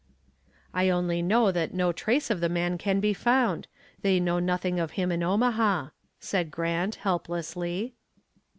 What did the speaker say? "I only know that no trace of the man can be found. They know nothing of him in Omaha," said Grant, helplessly.